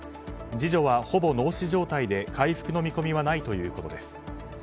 次女は、ほぼ脳死状態で回復の見込みはないということです。